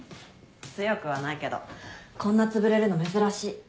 強くはないけどこんなつぶれるの珍しい。